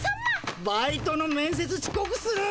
バイトの面せつちこくする。